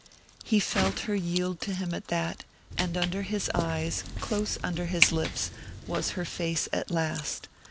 He felt her yield to him at that, and under his eyes, close under his lips, was her face at last.